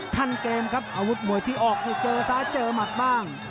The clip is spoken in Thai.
ท่านเกมครับอาวุธมวยที่ออกเจอซ้ายเจอหมัดบ้าง